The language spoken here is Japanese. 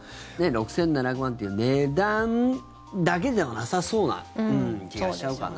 ６７００万っていう値段だけではなさそうな気がしちゃうかな。